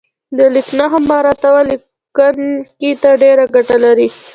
د لیک نښو مراعاتول لیکونکي ته ډېره ګټه لري.